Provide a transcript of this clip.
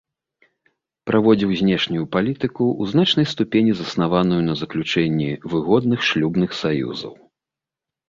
Праводзіў знешнюю палітыку, у значнай ступені заснаваную на заключэнні выгодных шлюбных саюзаў.